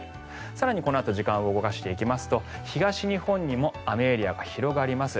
更にこのあと時間を動かしていきますと東日本にも雨エリアが広がります。